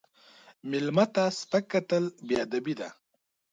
مېلمه ته سپک کتل بې ادبي ده.